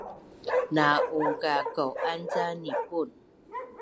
na ungkakau’an ca nipun